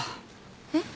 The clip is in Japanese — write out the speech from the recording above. えっ？